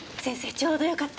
ちょうどよかった。